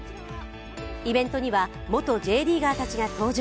イベントには、元Ｊリーガーたちが登場。